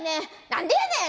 何でやねん！